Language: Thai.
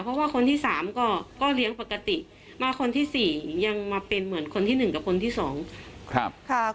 เพราะว่าคนที่สามก็เลี้ยงปกติมาคนที่สี่ยังมาเป็นเหมือนคนที่หนึ่งกับคนที่สองครับ